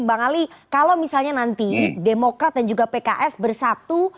bang ali kalau misalnya nanti demokrat dan juga pks bersatu